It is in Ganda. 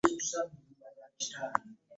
Kiki ekivirideko ensi yaffe okubeera bweti?